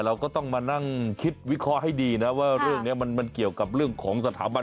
เราก็ต้องมานั่งคิดวิเคราะห์ให้ดีนะว่าเรื่องนี้มันเกี่ยวกับเรื่องของสถาบัน